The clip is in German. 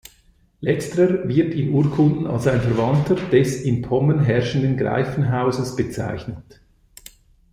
Letzterer wird in Urkunden als ein Verwandter des in Pommern herrschenden Greifenhauses bezeichnet.